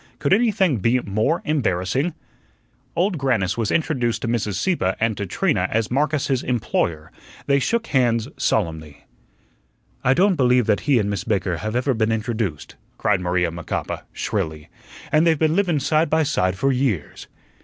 Could anything be more embarrassing? Old Grannis was introduced to Mrs. Sieppe and to Trina as Marcus's employer. They shook hands solemnly. "I don't believe that he an' Miss Baker have ever been introduced," cried Maria Macapa, shrilly, "an' they've been livin' side by side for years."